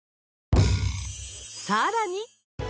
さらに！